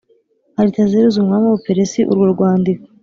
Aritazeruzi umwami w u Buperesi urwo rwandiko